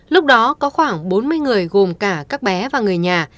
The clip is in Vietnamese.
lúc đó có khoảng bốn mươi người gồm cả các bé và người nhà